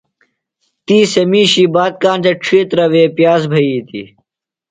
تی سےۡ مِیشی بات کاݨ تھےۡ ڇِھیترہ وے پِیاز بھئیتیۡ۔